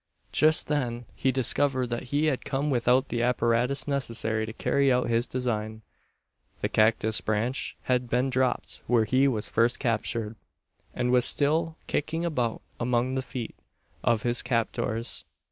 Just then he discovered that he had come without the apparatus necessary to carry out his design. The cactus branch had been dropped where he was first captured, and was still kicking about among the feet of his captors.